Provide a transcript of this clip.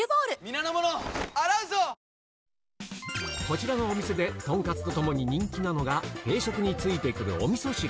こちらのお店でとんかつとともに人気なのが、定食についてくるおみそ汁。